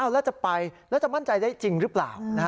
แล้วจะไปแล้วจะมั่นใจได้จริงหรือเปล่า